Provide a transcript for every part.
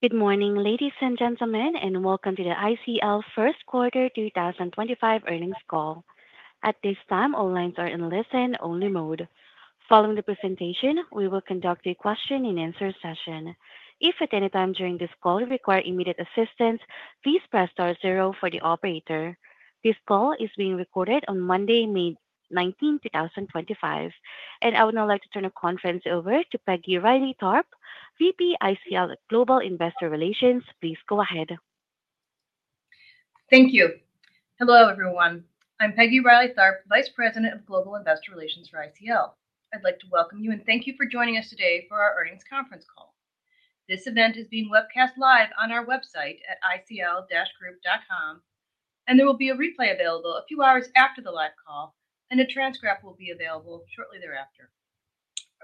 Good morning, ladies and gentlemen, and welcome to the ICL First Quarter 2025 Earnings Call. At this time, all lines are in listen-only mode. Following the presentation, we will conduct a question-and-answer session. If at any time during this call you require immediate assistance, please press star zero for the operator. This call is being recorded on Monday, May 19, 2025. I would now like to turn the conference over to Peggy Reilly Tharp, VP ICL Global Investor Relations. Please go ahead. Thank you. Hello, everyone. I'm Peggy Reilly Tharp, Vice President of Global Investor Relations for ICL. I'd like to welcome you and thank you for joining us today for our earnings conference call. This event is being webcast live on our website at iclgroup.com, and there will be a replay available a few hours after the live call, and a transcript will be available shortly thereafter.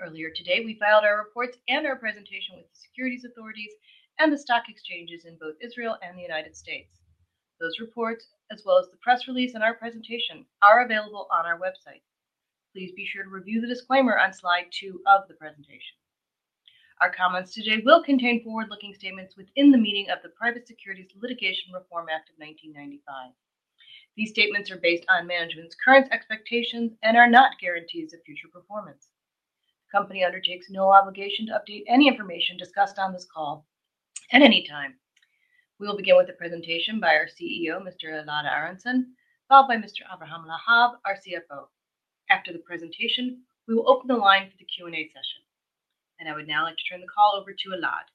Earlier today, we filed our reports and our presentation with the securities authorities and the stock exchanges in both Israel and the United States. Those reports, as well as the press release and our presentation, are available on our website. Please be sure to review the disclaimer on slide two of the presentation. Our comments today will contain forward-looking statements within the meaning of the Private Securities Litigation Reform Act of 1995. These statements are based on management's current expectations and are not guarantees of future performance. The company undertakes no obligation to update any information discussed on this call at any time. We will begin with the presentation by our CEO, Mr. Elad Aharonson, followed by Mr. Aviram Lahav, our CFO. After the presentation, we will open the line for the Q&A session. I would now like to turn the call over to Elad.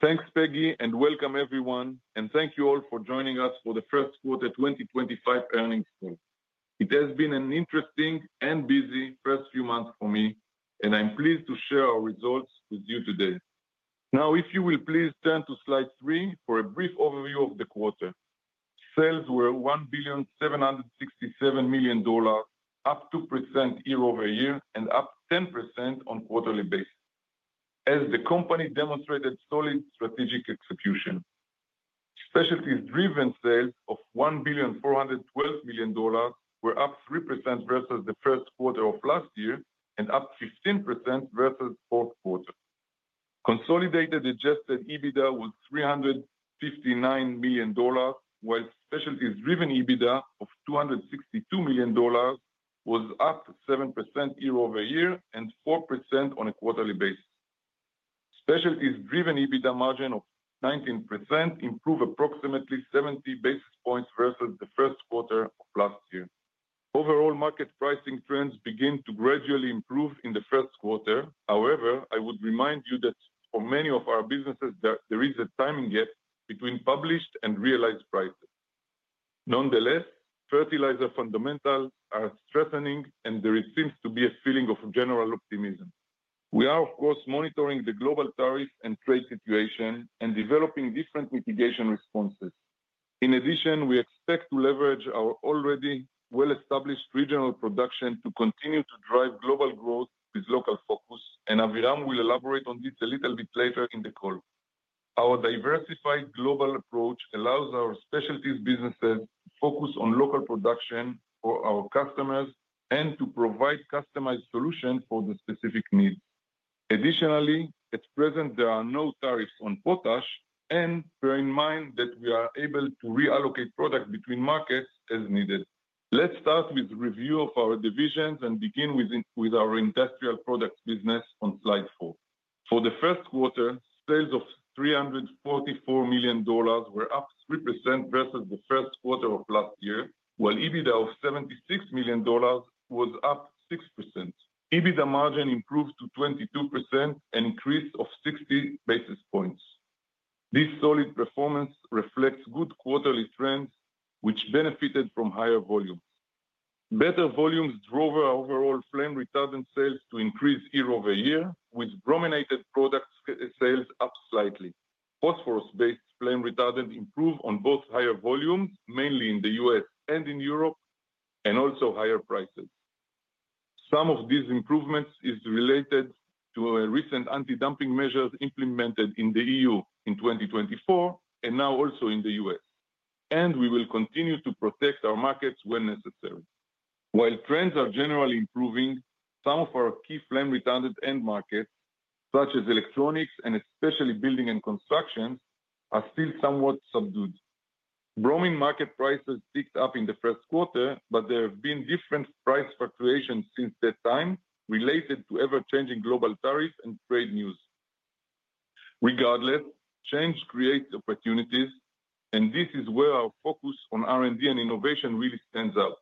Thanks, Peggy, and welcome, everyone. Thank you all for joining us for the First Quarter 2025 Earnings Call. It has been an interesting and busy first few months for me, and I'm pleased to share our results with you today. Now, if you will please turn to slide three for a brief overview of the quarter. Sales were $1,767 million, up 2% year-over-year and up 10% on a quarterly basis, as the company demonstrated solid strategic execution. Specialties-driven sales of $1,412,000,000 were up 3% versus the first quarter of last year and up 15% versus the fourth quarter. Consolidated adjusted EBITDA was $359 million, while specialties-driven EBITDA of $262 million was up 7% year-over-year and 4% on a quarterly basis. Specialties-driven EBITDA margin of 19% improved approximately 70 basis points versus the first quarter of last year. Overall, market pricing trends begin to gradually improve in the first quarter. However, I would remind you that for many of our businesses, there is a timing gap between published and realized prices. Nonetheless, fertilizer fundamentals are strengthening, and there seems to be a feeling of general optimism. We are, of course, monitoring the global tariff and trade situation and developing different mitigation responses. In addition, we expect to leverage our already well-established regional production to continue to drive global growth with local focus, and Aviram will elaborate on this a little bit later in the call. Our diversified global approach allows our specialties businesses to focus on local production for our customers and to provide customized solutions for the specific needs. Additionally, at present, there are no tariffs on potash, and bear in mind that we are able to reallocate product between markets as needed. Let's start with a review of our divisions and begin with our industrial products business on slide four. For the first quarter, sales of $344 million were up 3% versus the first quarter of last year, while EBITDA of $76 million was up 6%. EBITDA margin improved to 22% and increased 60 basis points. This solid performance reflects good quarterly trends, which benefited from higher volumes. Better volumes drove our overall flame retardant sales to increase year-over-year, with brominated product sales up slightly. Phosphorus-based flame retardant improved on both higher volumes, mainly in the U.S. and in Europe, and also higher prices. Some of these improvements are related to recent anti-dumping measures implemented in the EU in 2024 and now also in the U.S., and we will continue to protect our markets when necessary. While trends are generally improving, some of our key flame retardant end markets, such as electronics and especially building and construction, are still somewhat subdued. Bromine market prices ticked up in the first quarter, but there have been different price fluctuations since that time related to ever-changing global tariffs and trade news. Regardless, change creates opportunities, and this is where our focus on R&D and innovation really stands out.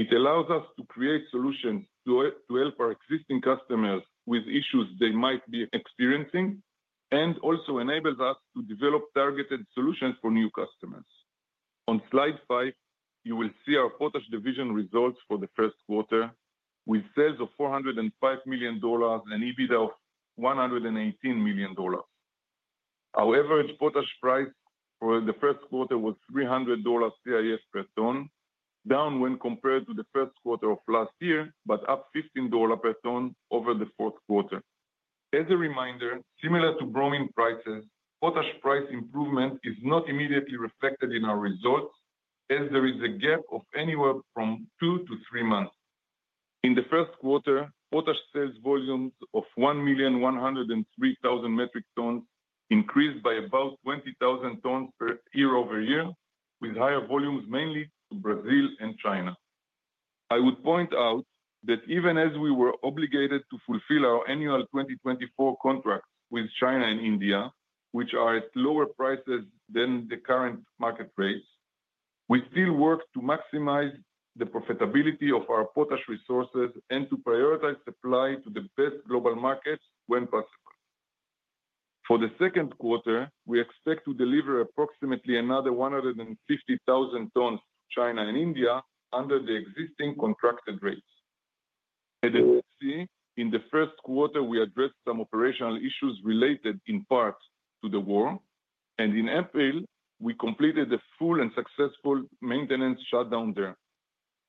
It allows us to create solutions to help our existing customers with issues they might be experiencing and also enables us to develop targeted solutions for new customers. On slide five, you will see our Potash division results for the first quarter, with sales of $405 million and EBITDA of $118 million. Our average Potash price for the first quarter was $300 CIF per ton, down when compared to the first quarter of last year, but up $15 per ton over the fourth quarter. As a reminder, similar to bromin prices, Potash price improvement is not immediately reflected in our results, as there is a gap of anywhere from two to three months. In the first quarter, Potash sales volumes of 1,103,000 metric tons increased by about 20,000 tons year-over-year, with higher volumes mainly to Brazil and China. I would point out that even as we were obligated to fulfill our annual 2024 contracts with China and India, which are at lower prices than the current market rates, we still work to maximize the profitability of our Potash resources and to prioritize supply to the best global markets when possible. For the second quarter, we expect to deliver approximately another 150,000 tons to China and India under the existing contracted rates. At SMC, in the first quarter, we addressed some operational issues related in part to the war, and in April, we completed a full and successful maintenance shutdown there.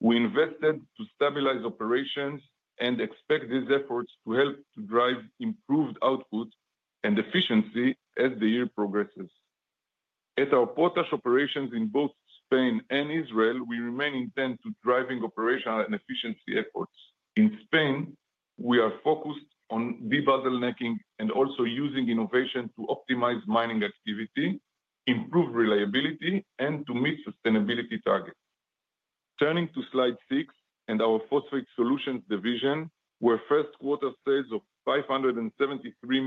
We invested to stabilize operations and expect these efforts to help to drive improved output and efficiency as the year progresses. At our Potash operations in both Spain and Israel, we remain intent on driving operational and efficiency efforts. In Spain, we are focused on debottlenecking and also using innovation to optimize mining activity, improve reliability, and to meet sustainability targets. Turning to slide six, our Phosphate solutions division, where first quarter sales of $573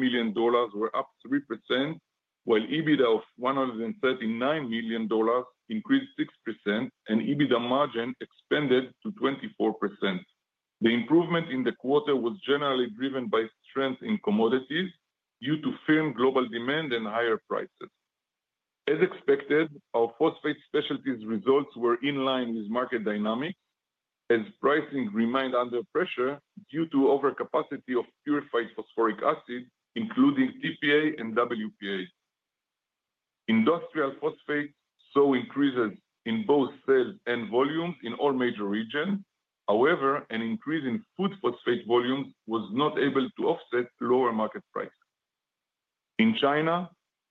million were up 3%, while EBITDA of $139 million increased 6%, and EBITDA margin expanded to 24%. The improvement in the quarter was generally driven by strength in commodities due to firm global demand and higher prices. As expected, our Phosphate specialties results were in line with market dynamics, as pricing remained under pressure due to overcapacity of purified phosphoric acid, including TPA and WPA. Industrial Phosphate saw increases in both sales and volumes in all major regions. However, an increase in food Phosphate volumes was not able to offset lower market prices. In China,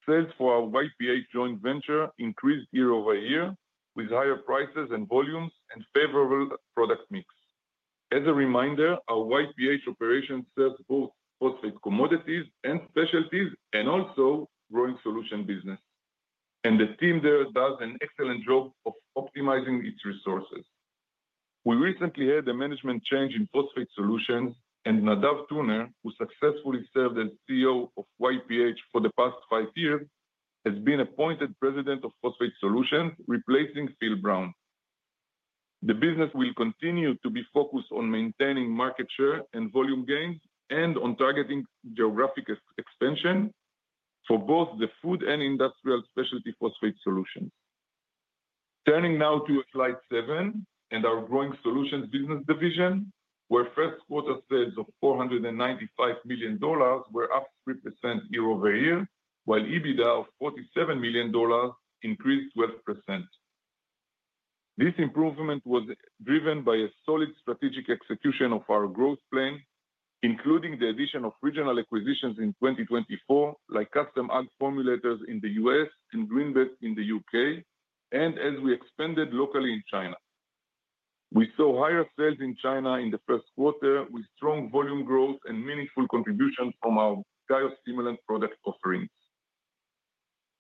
sales for our YPH joint venture increased year-over-year with higher prices and volumes and favorable product mix. As a reminder, our YPH operations serve both Phosphate commodities and specialties and also growing solution business, and the team there does an excellent job of optimizing its resources. We recently had a management change in Phosphate Solutions, and Nadav Turner, who successfully served as CEO of YPH for the past five years, has been appointed President of Phosphate Solutions, replacing Phil Brown. The business will continue to be focused on maintaining market share and volume gains and on targeting geographic expansion for both the food and industrial specialty Phosphate Solutions. Turning now to slide seven and our Growing Solutions business division, where first quarter sales of $495 million were up 3% year-over-year, while EBITDA of $47 million increased 12%. This improvement was driven by a solid strategic execution of our growth plan, including the addition of regional acquisitions in 2024, like Custom Ag Formulators in the U.S. and GreenBest in the U.K., and as we expanded locally in China. We saw higher sales in China in the first quarter with strong volume growth and meaningful contributions from our biostimulant product offerings.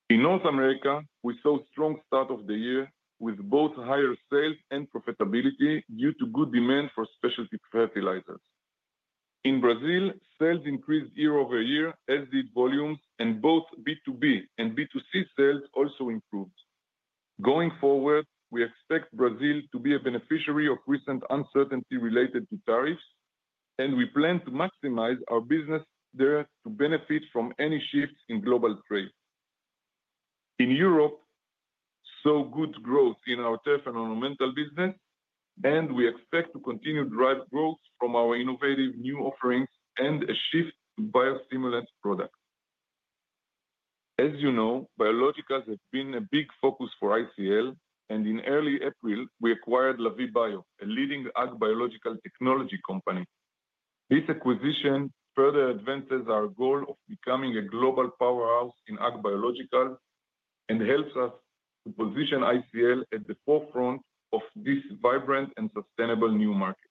In North America, we saw a strong start of the year with both higher sales and profitability due to good demand for specialty fertilizers. In Brazil, sales increased year-over-year as did volumes, and both B2B and B2C sales also improved. Going forward, we expect Brazil to be a beneficiary of recent uncertainty related to tariffs, and we plan to maximize our business there to benefit from any shifts in global trade. In Europe, we saw good growth in our turf and ornamental business, and we expect to continue to drive growth from our innovative new offerings and a shift to biostimulant products. As you know, biologicals have been a big focus for ICL, and in early April, we acquired Lavie Bio, a leading ag biological technology company. This acquisition further advances our goal of becoming a global powerhouse in ag biologicals and helps us to position ICL at the forefront of this vibrant and sustainable new market.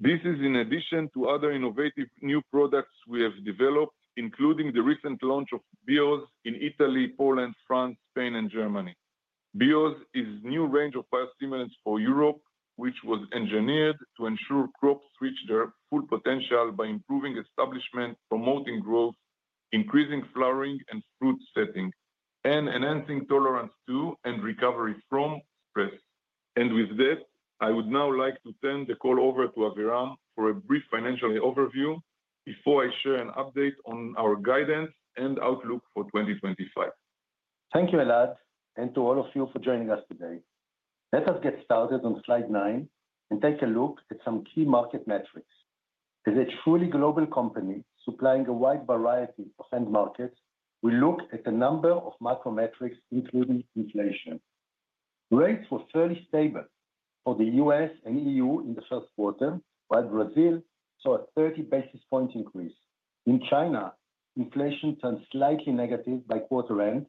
This is in addition to other innovative new products we have developed, including the recent launch of BIOS in Italy, Poland, France, Spain, and Germany. BIOS is a new range of biostimulants for Europe, which was engineered to ensure crops reach their full potential by improving establishment, promoting growth, increasing flowering and fruit setting, and enhancing tolerance to and recovery from stress. I would now like to turn the call over to Aviram for a brief financial overview before I share an update on our guidance and outlook for 2025. Thank you, Elad, and to all of you for joining us today. Let us get started on slide nine and take a look at some key market metrics. As a truly global company supplying a wide variety of end markets, we look at a number of macro metrics, including inflation. Rates were fairly stable for the U.S. and EU in the first quarter, while Brazil saw a 30 basis point increase. In China, inflation turned slightly negative by quarter end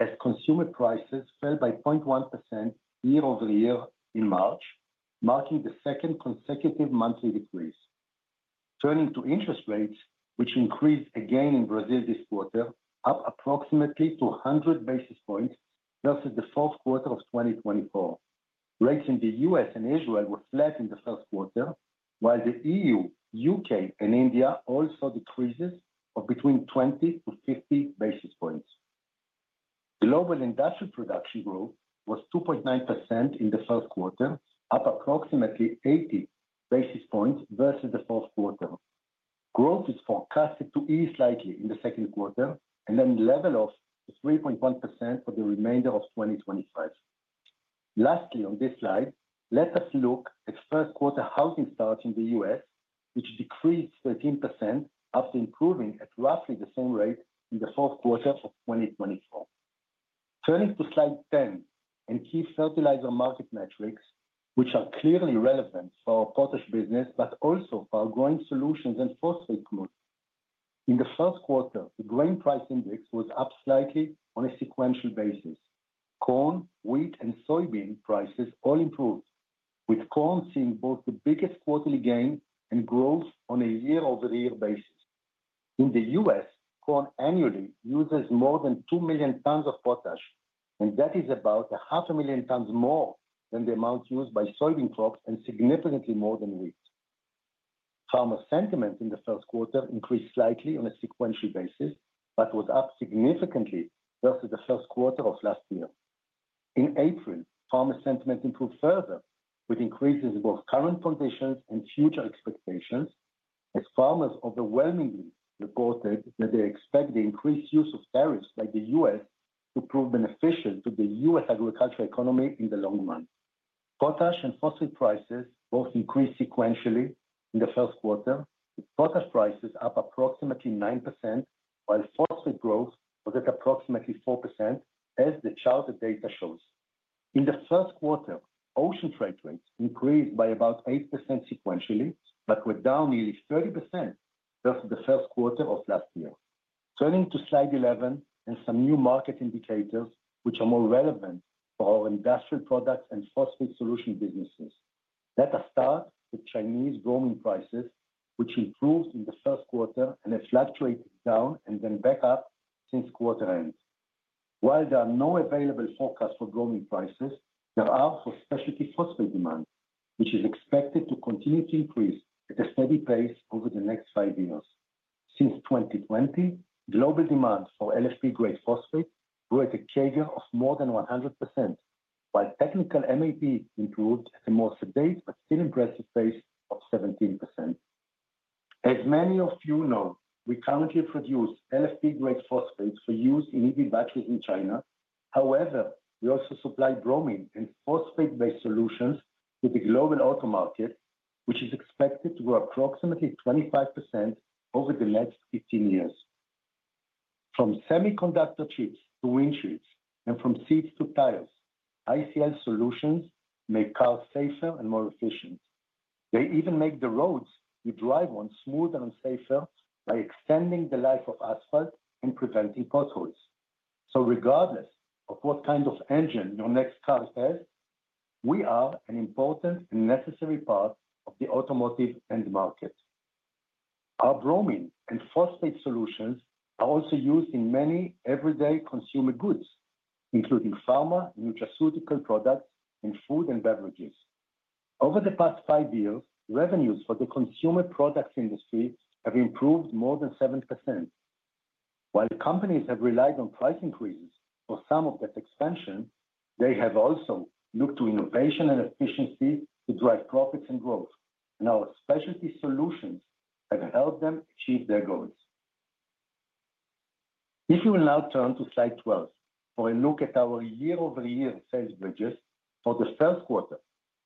as consumer prices fell by 0.1% year-over year in March, marking the second consecutive monthly decrease. Turning to interest rates, which increased again in Brazil this quarter, up approximately 200 basis points versus the fourth quarter of 2024. Rates in the U.S. and Israel were flat in the first quarter, while the EU, U.K., and India all saw decreases of between 20-50 basis points. Global industrial production growth was 2.9% in the first quarter, up approximately 80 basis points versus the fourth quarter. Growth is forecasted to ease slightly in the second quarter and then level off to 3.1% for the remainder of 2025. Lastly, on this slide, let us look at first quarter housing starts in the U.S., which decreased 13% after improving at roughly the same rate in the fourth quarter of 2024. Turning to slide 10 and key fertilizer market metrics, which are clearly relevant for our Potash business, but also for our growing Solutions and Phosphate commodities. In the first quarter, the grain price index was up slightly on a sequential basis. Corn, wheat, and soybean prices all improved, with corn seeing both the biggest quarterly gain and growth on a year-over-year basis. In the U.S., corn annually uses more than 2 million tons of Potash, and that is about 500,000 tons more than the amount used by soybean crops and significantly more than wheat. Farmer sentiment in the first quarter increased slightly on a sequential basis, but was up significantly versus the first quarter of last year. In April, farmer sentiment improved further with increases in both current conditions and future expectations, as farmers overwhelmingly reported that they expect the increased use of tariffs by the U.S. to prove beneficial to the U.S. agricultural economy in the long run. Potash and Phosphate prices both increased sequentially in the first quarter, with Potash prices up approximately 9%, while Phosphate growth was at approximately 4%, as the chart data shows. In the first quarter, ocean trade rates increased by about 8% sequentially, but were down nearly 30% versus the first quarter of last year. Turning to slide 11 and some new market indicators, which are more relevant for our industrial products and Phosphate Solution businesses. Let us start with Chinese Bromine prices, which improved in the first quarter and have fluctuated down and then back up since quarter end. While there are no available forecasts for bromin prices, there are for specialty Phosphate demand, which is expected to continue to increase at a steady pace over the next five years. Since 2020, global demand for LFP-grade phosphate grew at a CAGR of more than 100%, while technical MAP improved at a more sedate but still impressive pace of 17%. As many of you know, we currently produce LFP-grade phosphates for use in EV batteries in China. However, we also supply Bromine and Phosphate-based solutions to the global auto market, which is expected to grow approximately 25% over the next 18 years. From semiconductor chips to windshields and from seats to tiles, ICL solutions make cars safer and more efficient. They even make the roads you drive on smoother and safer by extending the life of asphalt and preventing potholes. Regardless of what kind of engine your next car has, we are an important and necessary part of the automotive end market. Our Bromine and Phosphate solutions are also used in many everyday consumer goods, including pharma, nutraceutical products, and food and beverages. Over the past five years, revenues for the consumer products industry have improved more than 7%. While companies have relied on price increases for some of that expansion, they have also looked to innovation and efficiency to drive profits and growth, and our specialty solutions have helped them achieve their goals. If you will now turn to slide 12 for a look at our year-over-year sales widgets for the first quarter,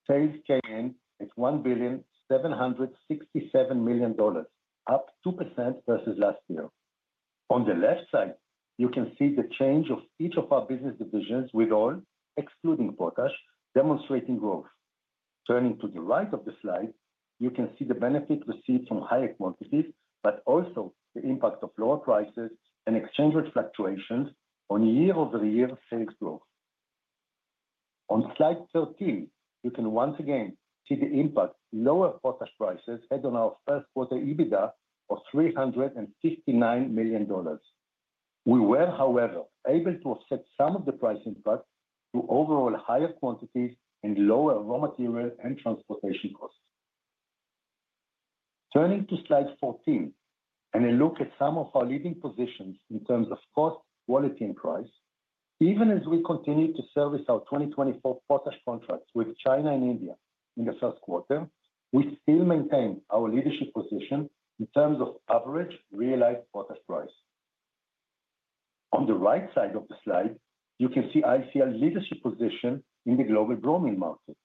sales came in at $1,767,000,000, up 2% versus last year. On the left side, you can see the change of each of our business divisions with all, excluding Potash, demonstrating growth. Turning to the right of the slide, you can see the benefit received from higher quantities, but also the impact of lower prices and exchange rate fluctuations on year-over-year sales growth. On slide 13, you can once again see the impact lower Potash prices had on our first quarter EBITDA of $359 million. We were, however, able to offset some of the price impact through overall higher quantities and lower raw material and transportation costs. Turning to slide 14 and a look at some of our leading positions in terms of cost, quality, and price, even as we continue to service our 2024 Potash contracts with China and India in the first quarter, we still maintain our leadership position in terms of average realized Potash price. On the right side of the slide, you can see ICL leadership position in the global Bromine market.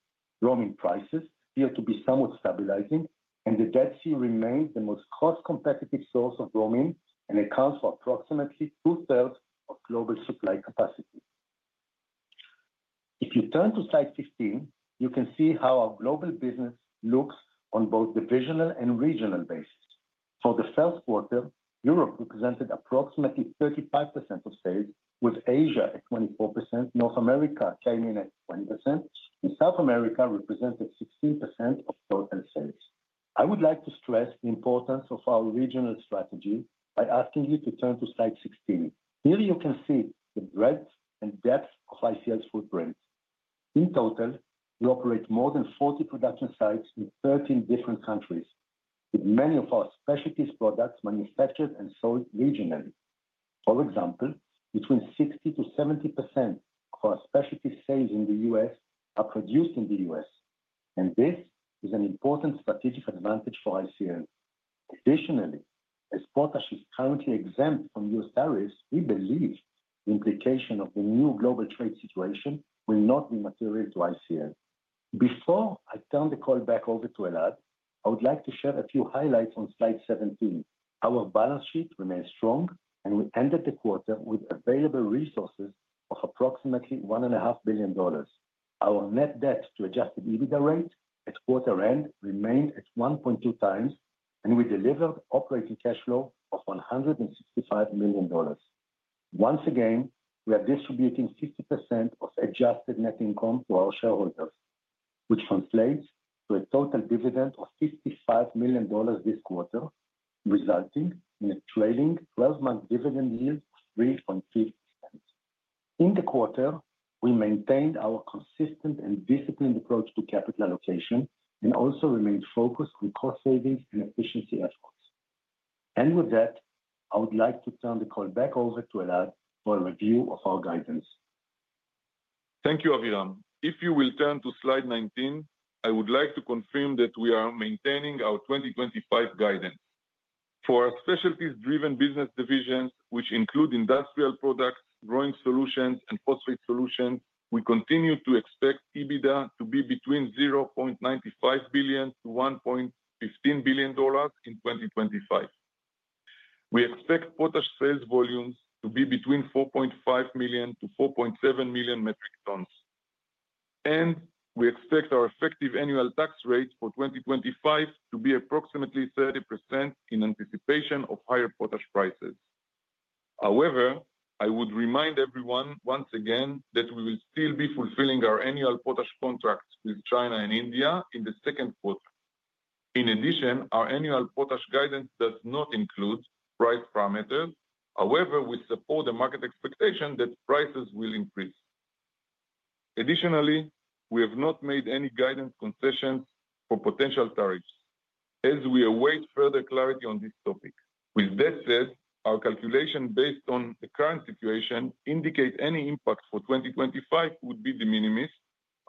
Bromine prices appear to be somewhat stabilizing, and the Dead Sea remains the most cost-competitive source of Bromine and accounts for approximately two-thirds of global supply capacity. If you turn to slide 15, you can see how our global business looks on both the regional and regional basis. For the first quarter, Europe represented approximately 35% of sales, with Asia at 24%, North America came in at 20%, and South America represented 16% of total sales. I would like to stress the importance of our regional strategy by asking you to turn to slide 16. Here you can see the breadth and depth of ICL's footprint. In total, we operate more than 40 production sites in 13 different countries, with many of our specialties products manufactured and sold regionally. For example, between 60%-70% of our specialty sales in the U.S. are produced in the U.S., and this is an important strategic advantage for ICL. Additionally, as Potash is currently exempt from U.S. tariffs, we believe the implication of the new global trade situation will not be material to ICL. Before I turn the call back over to Elad, I would like to share a few highlights on slide 17. Our balance sheet remains strong, and we ended the quarter with available resources of approximately $1.5 billion. Our net debt to adjusted EBITDA rate at quarter end remained at 1.2x, and we delivered operating cash flow of $165 million. Once again, we are distributing 50% of adjusted net income to our shareholders, which translates to a total dividend of $55 million this quarter, resulting in a trailing 12-month dividend yield of 3.5%. In the quarter, we maintained our consistent and disciplined approach to capital allocation and also remained focused on cost savings and efficiency efforts. I would like to turn the call back over to Elad for a review of our guidance. Thank you, Aviram. If you will turn to slide 19, I would like to confirm that we are maintaining our 2025 guidance. For our specialties-driven business divisions, which include Industrial Products, Growing Solutions, and Phosphate Solutions, we continue to expect EBITDA to be between $0.95 billion-$1.15 billion in 2025. We expect Potash sales volumes to be between 4.5 million-4.7 million metric tons. We expect our effective annual tax rate for 2025 to be approximately 30% in anticipation of higher Potash prices. However, I would remind everyone once again that we will still be fulfilling our annual Potash contracts with China and India in the second quarter. In addition, our annual Potash guidance does not include price parameters. However, we support the market expectation that prices will increase. Additionally, we have not made any guidance concessions for potential tariffs as we await further clarity on this topic. With that said, our calculation based on the current situation indicates any impact for 2025 would be the minimum.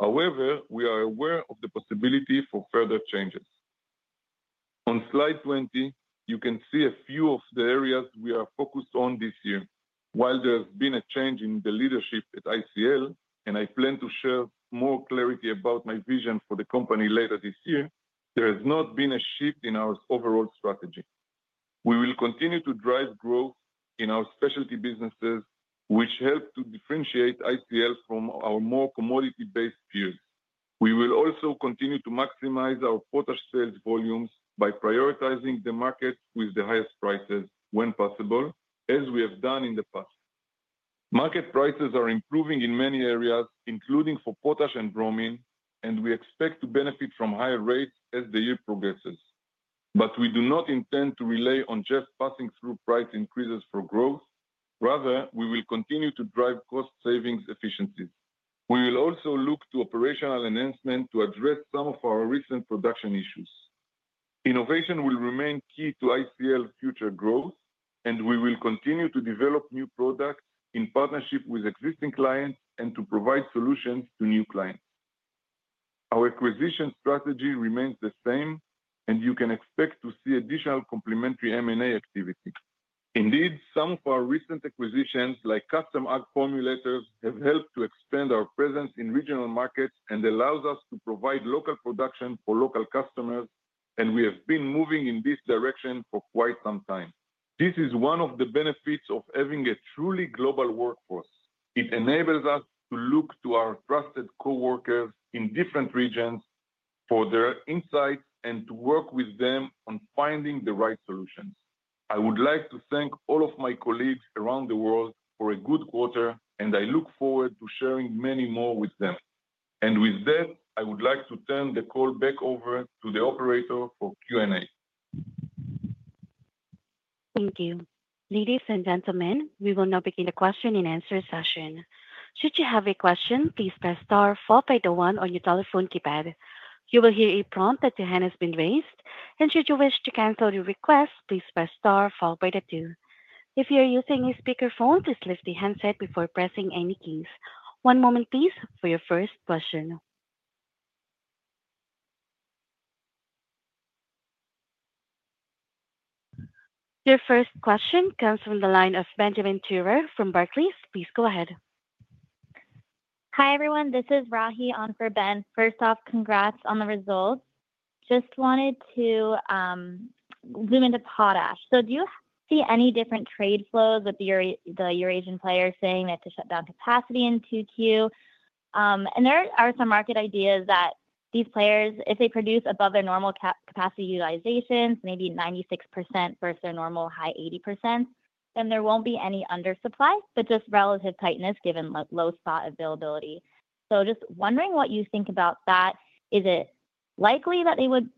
However, we are aware of the possibility for further changes. On slide 20, you can see a few of the areas we are focused on this year. While there has been a change in the leadership at ICL, and I plan to share more clarity about my vision for the company later this year, there has not been a shift in our overall strategy. We will continue to drive growth in our specialty businesses, which help to differentiate ICL from our more commodity-based peers. We will also continue to maximize our Potash sales volumes by prioritizing the market with the highest prices when possible, as we have done in the past. Market prices are improving in many areas, including for Potash and Bromine, and we expect to benefit from higher rates as the year progresses. We do not intend to rely on just passing through price increases for growth. Rather, we will continue to drive cost savings efficiencies. We will also look to operational enhancement to address some of our recent production issues. Innovation will remain key to ICL's future growth, and we will continue to develop new products in partnership with existing clients and to provide solutions to new clients. Our acquisition strategy remains the same, and you can expect to see additional complementary M&A activity. Indeed, some of our recent acquisitions, like Custom Ag Formulators, have helped to expand our presence in regional markets and allow us to provide local production for local customers, and we have been moving in this direction for quite some time. This is one of the benefits of having a truly global workforce. It enables us to look to our trusted coworkers in different regions for their insights and to work with them on finding the right solutions. I would like to thank all of my colleagues around the world for a good quarter, and I look forward to sharing many more with them. I would like to turn the call back over to the operator for Q&A. Thank you. Ladies and gentlemen, we will now begin the question and answer session. Should you have a question, please press star followed by the one on your telephone keypad. You will hear a prompt that your hand has been raised, and should you wish to cancel your request, please press star followed by the two. If you are using a speakerphone, please lift the handset before pressing any keys. One moment, please, for your first question. Your first question comes from the line of Benjamin Theurer from Barclays. Please go ahead. Hi, everyone. This is Rahi on for Ben. First off, congrats on the results. Just wanted to zoom into Potash. Do you see any different trade flows with the Eurasian players saying they have to shut down capacity in 2Q? There are some market ideas that these players, if they produce above their normal capacity utilizations, maybe 96% versus their normal high 80%, then there will not be any undersupply, but just relative tightness given low spot availability. Just wondering what you think about that. Is it likely that they would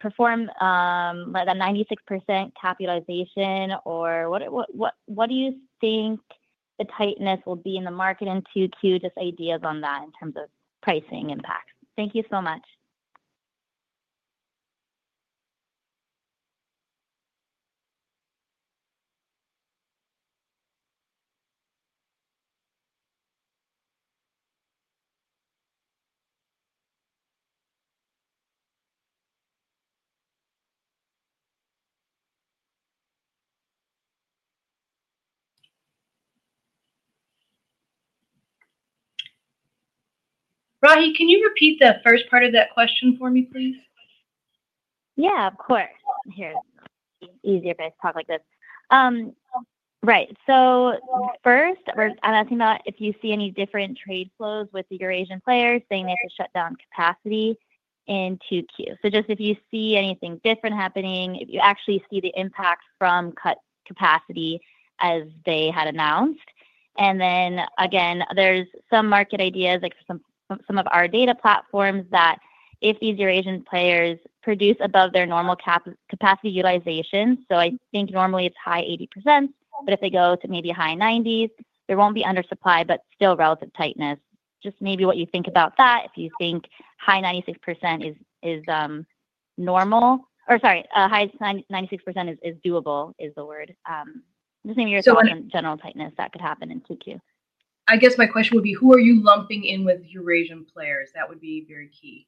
perform that 96% capitalization, or what do you think the tightness will be in the market in 2Q? Just ideas on that in terms of pricing impacts. Thank you so much. Rahi, can you repeat the first part of that question for me, please? Yeah, of course. Here's easier for us to talk like this. Right. First, I'm asking about if you see any different trade flows with the Eurasian players saying they have to shut down capacity in 2Q. Just if you see anything different happening, if you actually see the impact from cut capacity as they had announced. Then again, there's some market ideas for some of our data platforms that if these Eurasian players produce above their normal capacity utilization, I think normally it's high 80%, but if they go to maybe high 90s, there won't be undersupply, but still relative tightness. Just maybe what you think about that, if you think high 96% is normal, or sorry, high 96% is doable is the word. Just maybe your general tightness that could happen in 2Q. I guess my question would be, who are you lumping in with Eurasian players? That would be very key.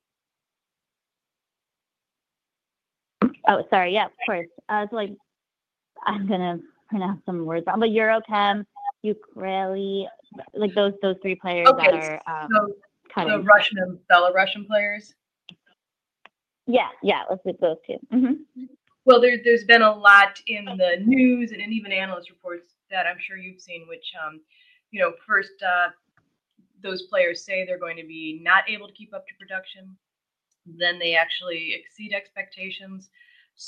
Oh, sorry. Yeah, of course. I'm going to pronounce some words wrong, but EuroChem, Uralkali, those three players are cutting. Okay. So Belarusian players? Yeah. Yeah. Let's do those two. There has been a lot in the news and even analyst reports that I am sure you have seen, which first those players say they are going to be not able to keep up to production, then they actually exceed expectations.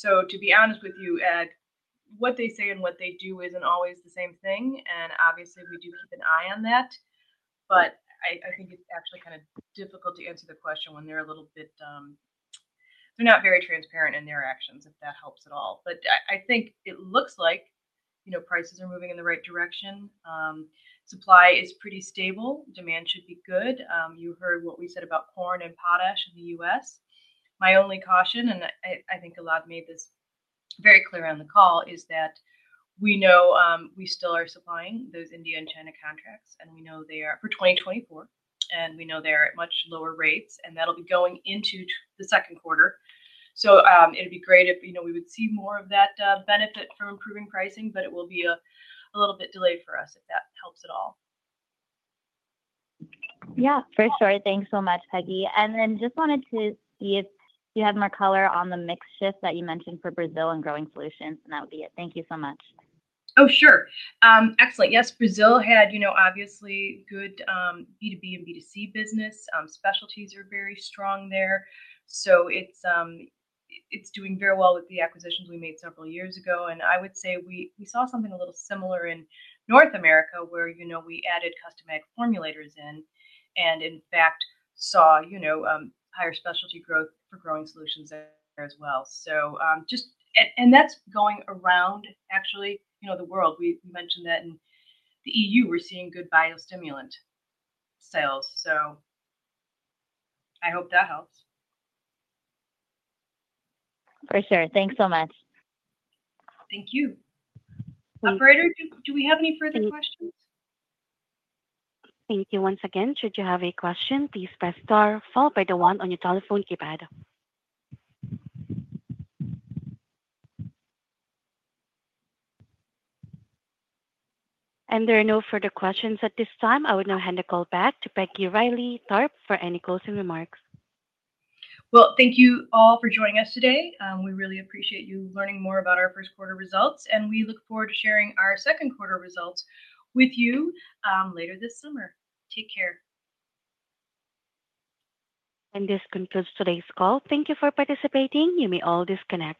To be honest with you, Ed, what they say and what they do is not always the same thing. Obviously, we do keep an eye on that. I think it is actually kind of difficult to answer the question when they are a little bit—they are not very transparent in their actions, if that helps at all. I think it looks like prices are moving in the right direction. Supply is pretty stable. Demand should be good. You heard what we said about corn and Potash in the U.S. My only caution, and I think Elad made this very clear on the call, is that we know we still are supplying those India and China contracts, and we know they are for 2024, and we know they're at much lower rates, and that'll be going into the second quarter. It would be great if we would see more of that benefit from improving pricing, but it will be a little bit delayed for us, if that helps at all. Yeah, for sure. Thanks so much, Peggy. I just wanted to see if you had more color on the mix shift that you mentioned for Brazil and growing solutions, and that would be it. Thank you so much. Oh, sure. Excellent. Yes, Brazil had obviously good B2B and B2C business. Specialties are very strong there. It is doing very well with the acquisitions we made several years ago. I would say we saw something a little similar in North America where we added Custom Ag Formulators in and, in fact, saw higher specialty growth for growing solutions there as well. That is going around, actually, the world. We mentioned that in the EU, we are seeing good biostimulant sales. I hope that helps. For sure. Thanks so much. Thank you. Operator, do we have any further questions? Thank you once again. Should you have a question, please press star followed by the one on your telephone keypad. There are no further questions at this time. I would now hand the call back to Peggy Reilly Tharp for any closing remarks. Thank you all for joining us today. We really appreciate you learning more about our first quarter results, and we look forward to sharing our second quarter results with you later this summer. Take care. This concludes today's call. Thank you for participating. You may all disconnect.